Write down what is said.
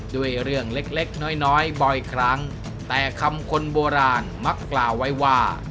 ด้วยเรื่องเล็กเล็กน้อยน้อยบ่อยครั้งแต่คำคนโบราณมักกล่าวไว้ว่า